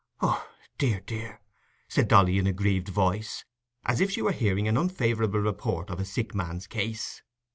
"Oh, dear, dear," said Dolly in a grieved voice, as if she were hearing an unfavourable report of a sick man's case.